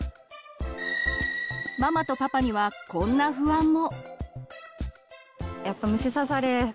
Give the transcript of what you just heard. ママとパパにはこんな不安も。